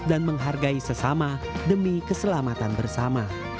dan menghargai sesama demi keselamatan bersama